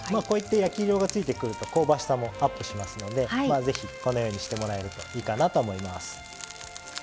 焼き色がついてくると香ばしさもアップしますのでぜひ、このようにしてもらえるといいかなと思います。